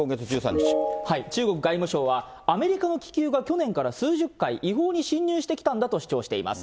中国外務省は、アメリカの気球が去年から数十回、違法に侵入してきたんだと主張しています。